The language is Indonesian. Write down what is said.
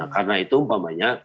karena itu umpamanya